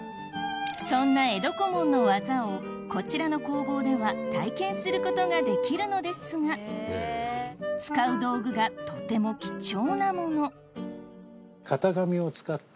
そんな江戸小紋の技をこちらの工房では体験することができるのですが使う道具がとても貴重なもの型？